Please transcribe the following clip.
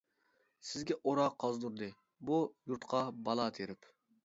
سىزگە ئورا قازدۇردى، بۇ يۇرتقا بالا تېرىپ.